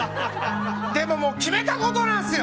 でももう決めたことなんすよ！